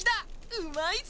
うまいぞ。